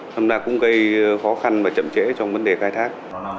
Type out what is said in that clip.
hôm nay cũng gây khó khăn và chậm trễ trong vấn đề khai thác